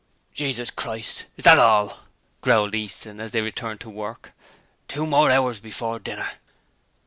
'Jesus Christ! Is that all?' growled Easton as they returned to work. 'Two hours more before dinner!'